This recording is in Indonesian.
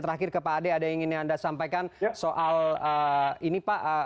terakhir ke pak ade ada yang ingin anda sampaikan soal ini pak